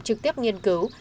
trực tiếp nghiên cứu